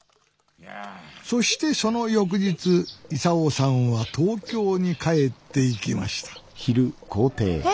そしてその翌日功さんは東京に帰っていきましたえ？